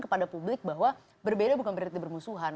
kepada publik bahwa berbeda bukan berarti bermusuhan